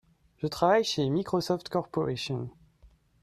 Je travaille chez Microsoft Corporation.